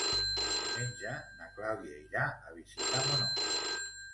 Diumenge na Clàudia irà a visitar mon oncle.